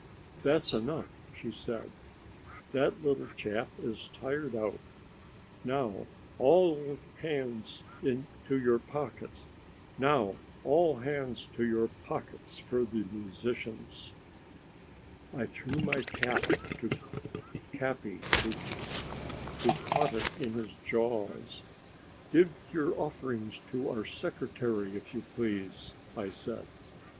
"That's enough," she said; "that little chap is tired out. Now all hands to your pockets for the musicians!" I threw my cap to Capi, who caught it in his jaws. "Give your offerings to our secretary, if you please," I said.